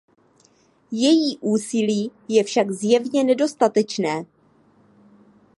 Její úsilí je však zjevně nedostatečné.